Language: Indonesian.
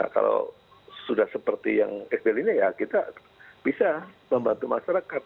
kalau sudah seperti yang sbl ini ya kita bisa membantu masyarakat